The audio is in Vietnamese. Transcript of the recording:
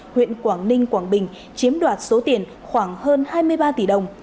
huyện quảng ninh quảng bình chiếm đoạt số tiền khoảng hơn hai mươi ba tỷ đồng